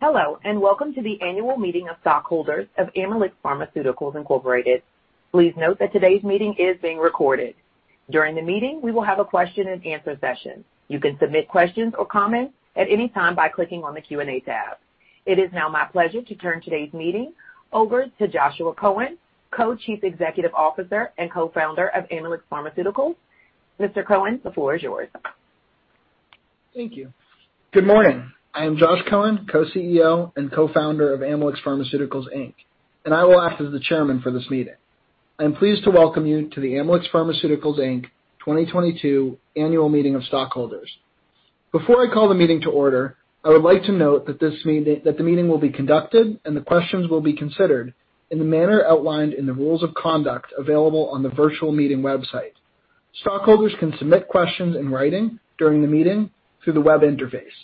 Hello, and welcome to the annual meeting of stockholders of Amylyx Pharmaceuticals, Inc. Please note that today's meeting is being recorded. During the meeting, we will have a question and answer session. You can submit questions or comments at any time by clicking on the Q&A tab. It is now my pleasure to turn today's meeting over to Joshua Cohen, Co-Chief Executive Officer and Co-Founder of Amylyx Pharmaceuticals. Mr. Cohen, the floor is yours. Thank you. Good morning. I am Josh Cohen, Co-CEO and Co-Founder of Amylyx Pharmaceuticals, Inc., and I will act as the chairman for this meeting. I am pleased to welcome you to the Amylyx Pharmaceuticals, Inc. 2022 annual meeting of stockholders. Before I call the meeting to order, I would like to note that the meeting will be conducted and the questions will be considered in the manner outlined in the rules of conduct available on the virtual meeting website. Stockholders can submit questions in writing during the meeting through the web interface.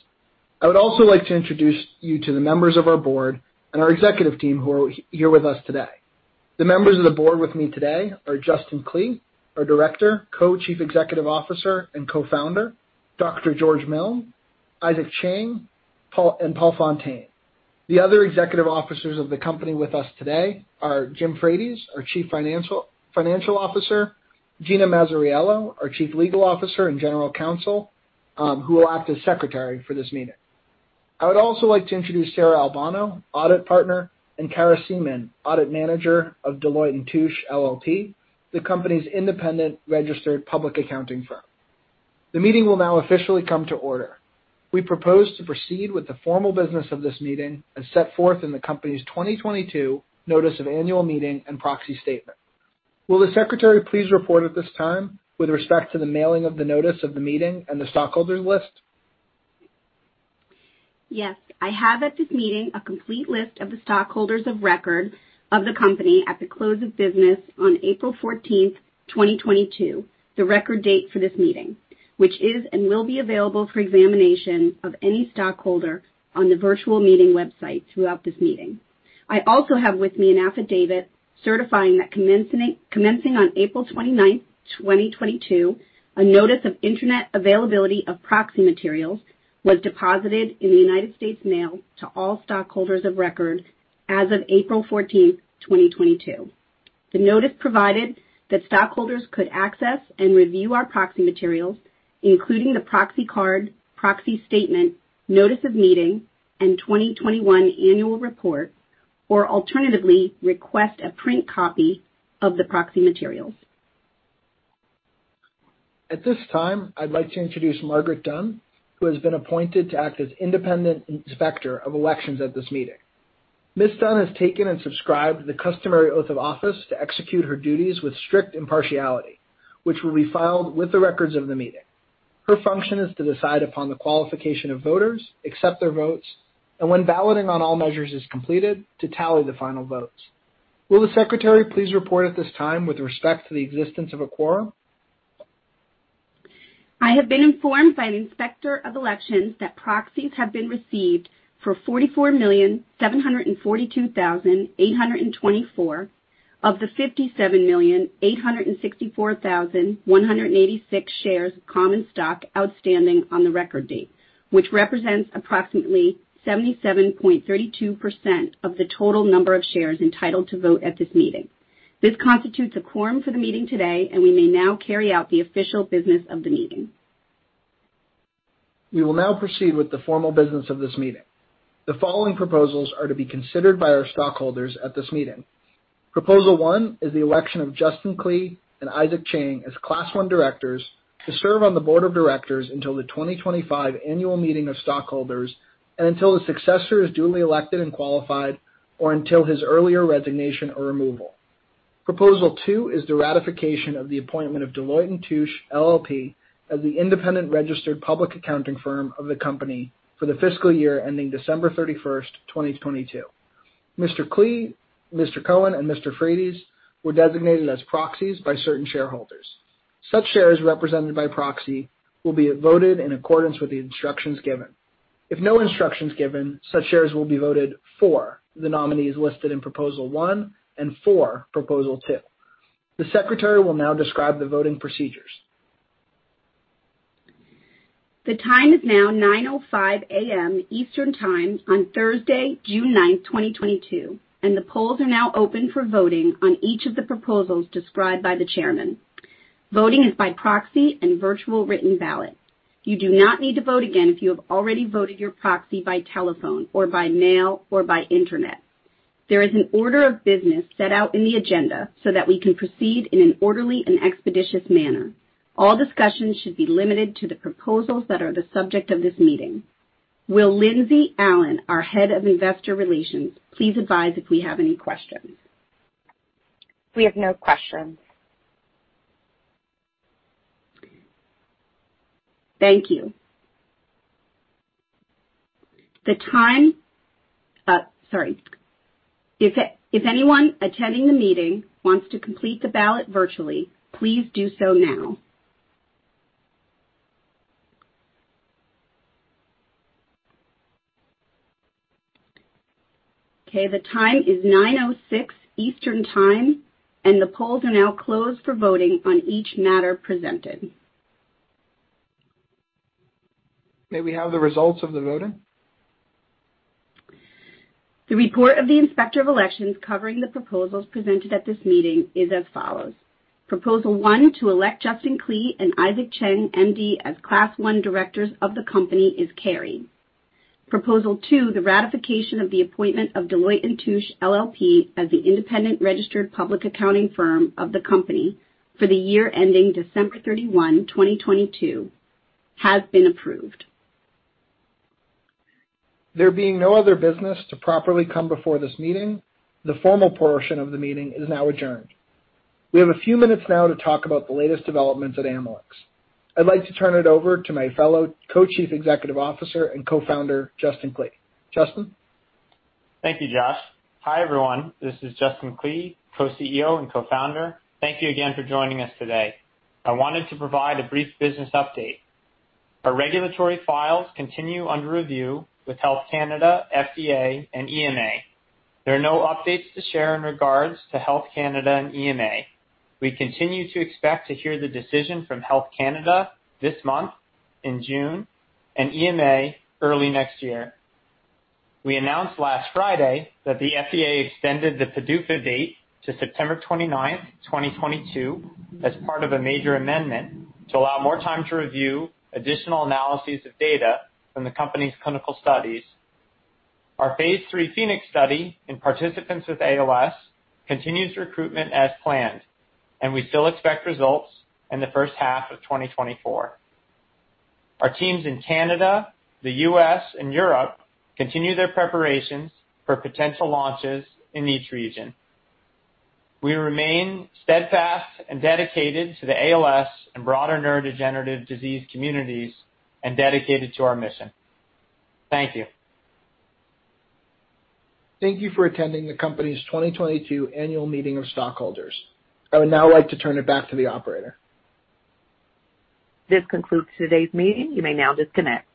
I would also like to introduce you to the members of our board and our executive team who are here with today. The members of the board with me today are Justin Klee, our Director, Co-Chief Executive Officer, and Co-Founder, Dr. George Milne, Isaac Cheng, Paul, and Paul Fonteyne. The other executive officers of the company with us today are Jim Frates, our Chief Financial Officer, Gina Mazzariello, our Chief Legal Officer and General Counsel, who will act as secretary for this meeting. I would also like to introduce Sarah Albano, Audit Partner, and Kara Seaman, Audit Manager of Deloitte & Touche LLP, the company's independent registered public accounting firm. The meeting will now officially come to order. We propose to proceed with the formal business of this meeting as set forth in the company's 2022 notice of annual meeting and proxy statement. Will the secretary please report at this time with respect to the mailing of the notice of the meeting and the stockholders' list? Yes. I have at this meeting a complete list of the stockholders of record of the company at the close of business on April 14, 2022, the record date for this meeting, which is and will be available for examination of any stockholder on the virtual meeting website throughout this meeting. I also have with me an affidavit certifying that commencing on April 29, 2022, a notice of internet availability of proxy materials was deposited in the United States Mail to all stockholders of record as of April 14, 2022. The notice provided that stockholders could access and review our proxy materials, including the proxy card, proxy statement, notice of meeting, and 2021 annual report, or alternatively, request a print copy of the proxy materials. At this time, I'd like to introduce Margaret Olinger, who has been appointed to act as independent inspector of elections at this meeting. Ms. Olinger has taken and subscribed the customary oath of office to execute her duties with strict impartiality, which will be filed with the records of the meeting. Her function is to decide upon the qualification of voters, accept their votes, and when balloting on all measures is completed, to tally the final votes. Will the secretary please report at this time with respect to the existence of a quorum? I have been informed by an inspector of elections that proxies have been received for 44,742,824 of the 57,864,186 shares of common stock outstanding on the record date, which represents approximately 77.32% of the total number of shares entitled to vote at this meeting. This constitutes a quorum for the meeting today, and we may now carry out the official business of the meeting. We will now proceed with the formal business of this meeting. The following proposals are to be considered by our stockholders at this meeting. Proposal one is the election of Justin Klee and Isaac Cheng as Class One directors to serve on the board of directors until the 2025 annual meeting of stockholders and until a successor is duly elected and qualified or until his earlier resignation or removal. Proposal two is the ratification of the appointment of Deloitte & Touche LLP as the independent registered public accounting firm of the company for the fiscal year ending December 31, 2022. Mr. Klee, Mr. Cohen, and Mr. Frates were designated as proxies by certain shareholders. Such shares represented by proxy will be voted in accordance with the instructions given. If no instruction is given, such shares will be voted for the nominees listed in proposal one and for, proposal two. The secretary will now describe the voting procedures. The time is now 9:05 A.M. Eastern Time on Thursday, June 9, 2022, and the polls are now open for voting on each of the proposals described by the chairman. Voting is by proxy and virtual written ballot. You do not need to vote again if you have already voted your proxy by telephone or by mail or by internet. There is an order of business set out in the agenda so that we can proceed in an orderly and expeditious manner. All discussions should be limited to the proposals that are the subject of this meeting. Will Lindsey Allen, our head of investor relations, please advise if we have any questions? We have no questions. Thank you. If anyone attending the meeting wants to complete the ballot virtually, please do so now. Okay, the time is 9:06 Eastern Time, and the polls are now closed for voting on each matter presented. May we have the results of the voting? The report of the inspector of elections covering the proposals presented at this meeting is as follows. Proposal 1, to elect Justin Klee and Isaac Cheng, M.D., as class 1 directors of the company is carried. Proposal 2, the ratification of the appointment of Deloitte & Touche LLP as the independent registered public accounting firm of the company for the year ending December 31, 2022, has been approved. There being no other business to properly come before this meeting, the formal portion of the meeting is now adjourned. We have a few minutes now to talk about the latest developments at Amylyx. I'd like to turn it over to my fellow Co-Chief Executive Officer and Co-Founder, Justin Klee. Justin. Thank you, Josh. Hi, everyone. This is Justin Klee, Co-CEO and Co-Founder. Thank you again for joining us today. I wanted to provide a brief business update. Our regulatory files continue under review with Health Canada, FDA, and EMA. There are no updates to share in regards to Health Canada and EMA. We continue to expect to hear the decision from Health Canada this month in June and EMA early next year. We announced last Friday that the FDA extended the PDUFA date to September 29, 2022, as part of a major amendment to allow more time to review additional analyses of data from the company's clinical studies. Our Phase III PHOENIX study in participants with ALS continues recruitment as planned, and we still expect results in the first half of 2024. Our teams in Canada, the U.S., and Europe continue their preparations for potential launches in each region. We remain steadfast and dedicated to the ALS and broader neurodegenerative disease communities and dedicated to our mission. Thank you. Thank you for attending the company's 2022 annual meeting of stockholders. I would now like to turn it back to the operator. This concludes today's meeting. You may now disconnect.